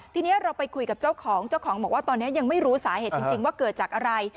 ทีนี้เราไปคุยกับเจ้าของเจ้าของบอกว่าตอนนี้ยังไม่รู้สาเหตุจริงว่าเกิดจากอะไร